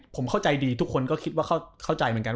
ผมเข้าใจดีทุกคนก็คิดว่าเข้าใจเหมือนกัน